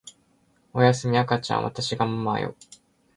おやすみ赤ちゃんわたしがママよ